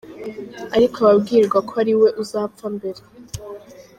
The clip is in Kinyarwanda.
Ariko abwirwa ko ariwe uzapfa mbere.